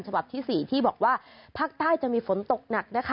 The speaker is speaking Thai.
ฉบับที่๔ที่บอกว่าภาคใต้จะมีฝนตกหนักนะคะ